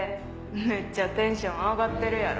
めっちゃテンション上がってるやろ。